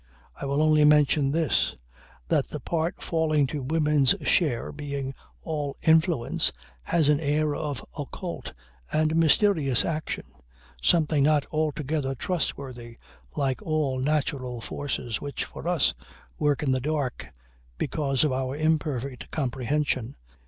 I will only mention this: that the part falling to women's share being all "influence" has an air of occult and mysterious action, something not altogether trustworthy like all natural forces which, for us, work in the dark because of our imperfect comprehension.